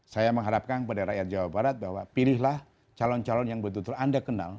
saya mengharapkan kepada rakyat jawa barat bahwa pilihlah calon calon yang betul betul anda kenal